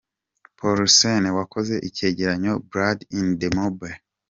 Puoulsen wakoze icyegeranyo'Blood in the mobile'.